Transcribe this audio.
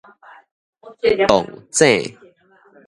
撞井